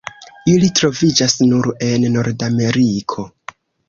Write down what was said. Ili troviĝas nur en Nordameriko.